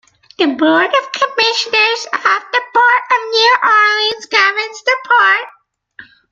The Board of Commissioners of the Port of New Orleans governs the port.